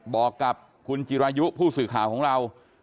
บอกกับคุณจิรายุผู้สื่อข่าวของเรา